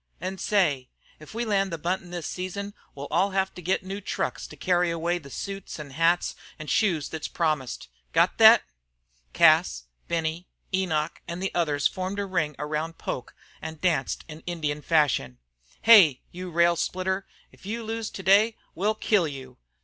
"An' say, if we land the buntin' this season we'll all have to get new trunks to carry away the suits an' hats an' shoes thet's promised. Got thet?" Cas, Benny, Enoch, and the others formed a ring around Poke and danced in Indian fashion. "Hey! you rail splitter, if you lose today we'll kill you!"